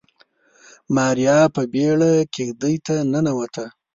ماريا په بيړه کېږدۍ ته ننوته.